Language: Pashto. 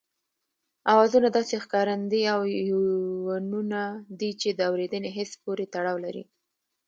آوازونه داسې ښکارندې او يوونونه دي چې د اورېدني حس پورې تړاو لري